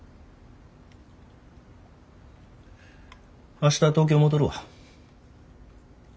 明日東京戻るわ。